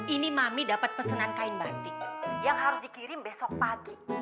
ini mami dapat pesanan kain batik yang harus dikirim besok pagi